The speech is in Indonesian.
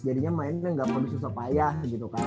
jadinya mainnya ga konfusi supaya gitu kan